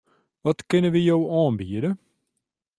Wat kinne wy jo oanbiede?